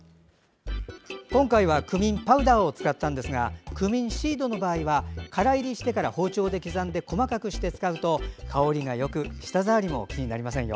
今回はクミンパウダーを使ったんですがクミンシードの場合は乾煎りしてから包丁で刻んで細かくして使うと香りがよく舌触りも気になりませんよ。